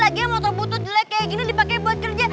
laginya motor butuh jelek kayak gini dipakai buat kerja